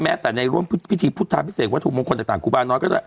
แม้แต่ในรวมพิธีพุทธภาพิเศษวัตถุมงคลต่างครูบาน้อย